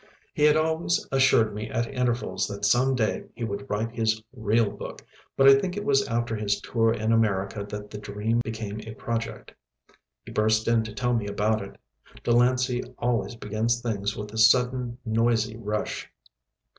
He had always assured me at intervals that some day he would write his "real book" but I think it was after his tour in America that the dream became a project. He burst in to tell me about it. Delancey always begins things with a sudden noisy rush.